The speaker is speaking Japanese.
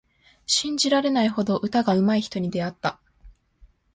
信じられないほど歌がうまい人に出会った。